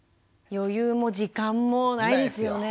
余裕も時間もないですよね。